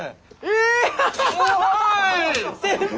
え！